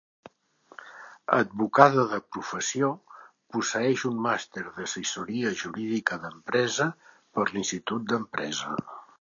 Advocada de professió, posseeix un màster d'Assessoria Jurídica d'empresa per l'Institut d'empresa.